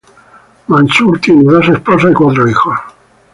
Mansour tiene dos esposas y cuatro hijos.